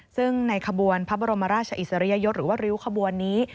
ซึ่งในขบวนพระบรมราชอิสริยยศหรือว่าริ้วขบวนนี้